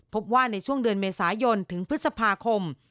พบว่าในช่วงเดือนเมษายนถึงพฤษภาคม